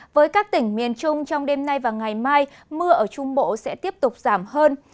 với các tỉnh miền trung trong đêm nay và ngày mai mưa ở trung bộ sẽ tiếp tục giảm hơn